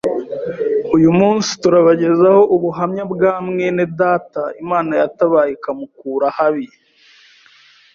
Uyu munsi turabagezaho ubuhamya bwa mwene data Imana yatabaye ikamukura habi,